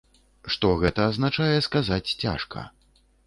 Што гэта азначае, сказаць цяжка.